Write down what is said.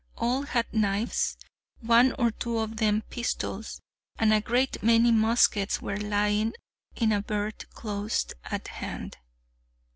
All had knives, one or two of them pistols, and a great many muskets were lying in a berth close at hand.